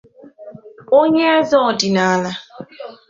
Onyeeze Ọdịnala